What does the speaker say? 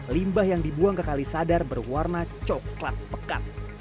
limbah yang dibuang ke kalisadar berwarna coklat pekat